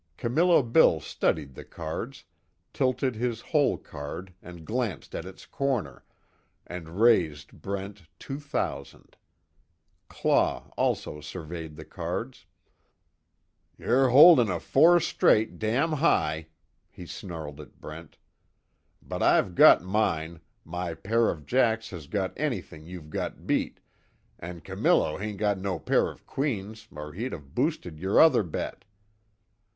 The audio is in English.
Camillo Bill studied the cards, tilted his hole card and glanced at its corner, and raised Brent two thousand. Claw, also surveyed the cards: "Yer holdin' a four straight damn high," he snarled at Brent, "but I've got mine my pair of jacks has got anything you've got beat, an' Camillo hain't got no pair of queens or he'd of boosted yer other bet.